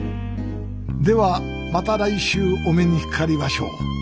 ではまた来週お目にかかりましょう。